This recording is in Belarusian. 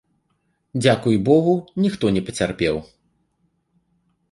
Дзякуй богу, ніхто не пацярпеў.